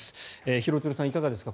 廣津留さん、いかがですか。